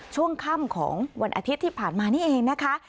ช่วงค่ำของวันอาทิตย์ที่ผ่านมานี่เองนะคะ